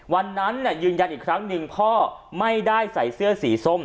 วันนั้นเนี่ยยืนยันอีกครั้งนึงพ่อไม่ได้ใส่เสื้อสีส้ม